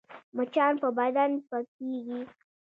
مچان په بدن پکېږي